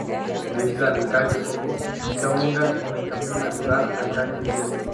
La isla de Cayo Coco está unida por un camino natural al Cayo Guillermo.